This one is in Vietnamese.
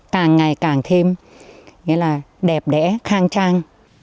càng ngày càng thêm đẹp đẽ khang trang